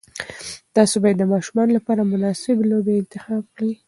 تاسي باید د ماشومانو لپاره مناسب لوبې انتخاب کړئ.